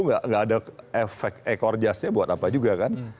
nggak ada efek ekor jasnya buat apa juga kan